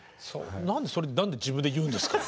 何でそれ自分で言うんですか？